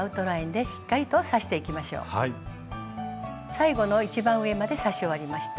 最後の一番上まで刺し終わりました。